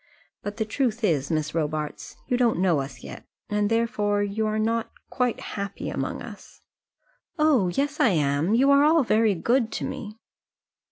But the truth is, Miss Robarts, you don't know us yet, and therefore you are not quite happy among us." "Oh! yes, I am; you are all very good to me."